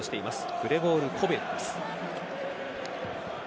グレゴール・コベルです。